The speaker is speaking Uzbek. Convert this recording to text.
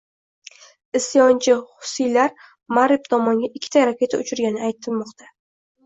Isyonchi xusiylar Marib tomonga ikkita raketa uchirgani aytilmoqda